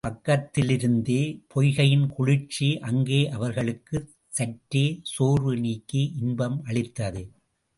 பக்கத்திலிருந்த பொய்கையின் குளிர்ச்சி அங்கே அவர்களுக்குச் சற்றே சோர்வு நீக்கி இன்பம் அளித்தது.